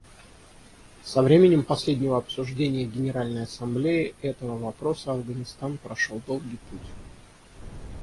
Со времени последнего обсуждения Генеральной Ассамблеей этого вопроса Афганистан прошел долгий путь.